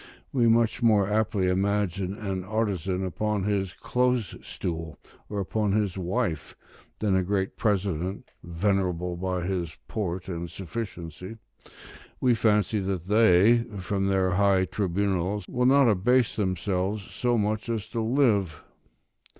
We much more aptly imagine an artisan upon his close stool, or upon his wife, than a great president venerable by his port and sufficiency: we fancy that they, from their high tribunals, will not abase themselves so much as to live.